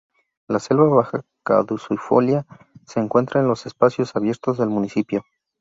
La selva baja caducifolia, se encuentra en los espacios abiertos del municipio.